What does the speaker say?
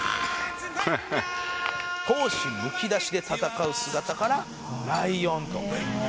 「闘志むき出しで戦う姿からライオンと」